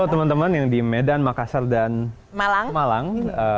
teman teman yang di medan makassar dan malang